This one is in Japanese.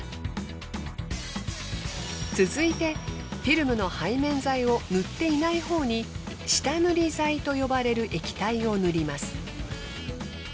続いてフィルムの背面剤を塗っていないほうに下塗り剤と呼ばれる液体を塗ります。